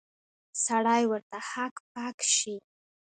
سړی ورته هک پک شي.